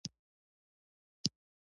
آیا د هرات د سمنټو پروژه لویه ده؟